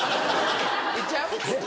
行っちゃう？